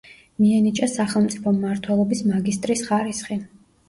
მიენიჭა სახელმწიფო მმართველობის მაგისტრის ხარისხი.